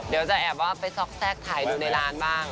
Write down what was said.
เดี๋ยวจะแอบว่าไปซอกแทรกถ่ายดูในร้านบ้าง